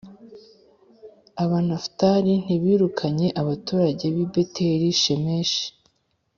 Abanafutali ntibirukanye abaturage b’i Beti-Shemeshi